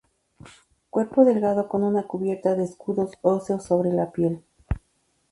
Cuerpo delgado con una cubierta de escudos óseos sobre la piel.